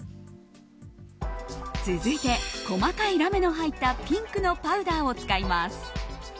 続いて、細かいラメの入ったピンクのパウダーを使います。